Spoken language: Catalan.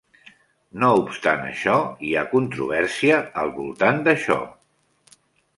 No obstant això, hi ha controvèrsia al voltant d'això.